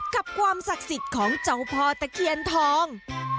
ความศักดิ์สิทธิ์ของเจ้าพ่อตะเคียนทอง